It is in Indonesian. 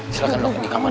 silahkan bu kami ke kamar